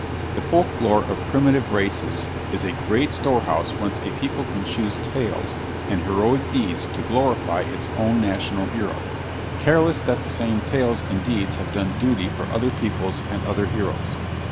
The folklore of primitive races is a great storehouse whence a people can choose tales and heroic deeds to glorify its own national hero, careless that the same tales and deeds have done duty for other peoples and other heroes.